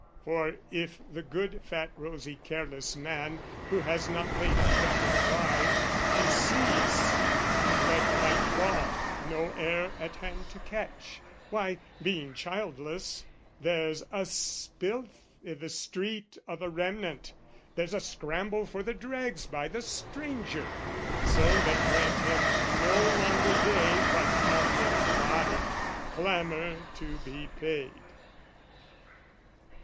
For if the good fat rosy careless man, Who has not laid a ducat by, decease Let the lamp fall, no heir at hand to catch Why, being childless, there's a spilth i' the street O' the remnant, there's a scramble for the dregs By the stranger: so, they grant him no longer day But come in a body, clamour to be paid.